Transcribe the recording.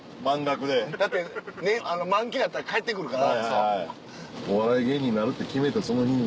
だって満期になったら返ってくるから。